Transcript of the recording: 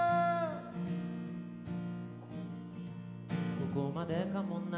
「「ここまでかもな」」